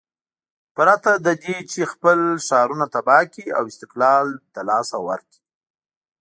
پرته له دې چې خپل ښارونه تباه کړي او استقلال له لاسه ورکړي.